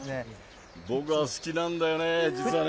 僕は好きなんだよね、実はね。